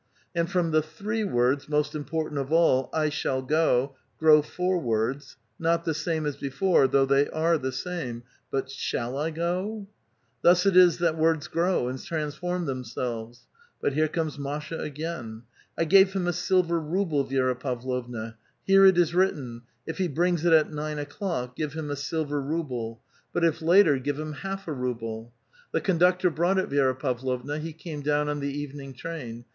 And from the three words, most important of all, " I shall go," grow four words, not the same as before, though they are the same, '* But shall I go?" Thus it is that words grow, and transform themselves. But here comes Masha again. " I gave him a silver ruble, Vi6ra Pavlovna ; here it is written, ' If he brings it at nine o'clock, give him a silver ruble ; but if later, give A VITAL QUESTION. 341 him half a ruble/ The conductor brought it, Vi^ra Pavlovna. He came down on the evening train.